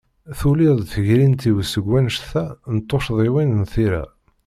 Tuli-d tegrint-iw seg wanect-a n tucḍiwin n tira.